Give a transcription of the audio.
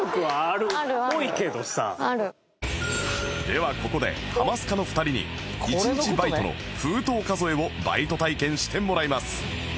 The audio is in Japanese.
ではここでハマスカの２人に１日バイトの封筒数えをバイト体験してもらいます